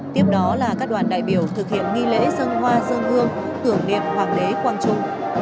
tiếp đó là các đoàn đại biểu thực hiện nghi lễ dân hoa dân hương tưởng niệm hoàng đế quang trung